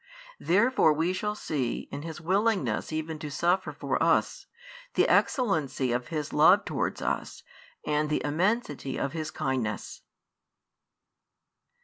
Therefore we shall see, in His willingness even to suffer for us, the excellency of His love towards us and the immensity of His kindness.